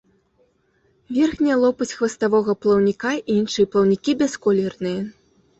Верхняя лопасць хваставога плаўніка і іншыя плаўнікі бясколерныя.